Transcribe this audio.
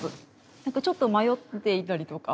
なんかちょっと迷っていたりとか。